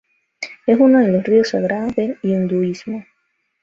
Es uno de los ríos sagrados del hinduismo.